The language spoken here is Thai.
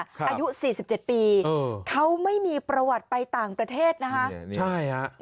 อายุ๔๗ปีเขาไม่มีประวัติไปต่างประเทศนะคะใช่ฮะ